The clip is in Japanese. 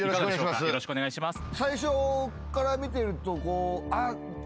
よろしくお願いします。